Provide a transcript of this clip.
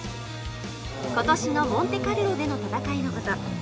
今年のモンテカルロでの戦いの事